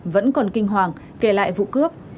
vẫn còn kinh hoàng kể lại vụ cướp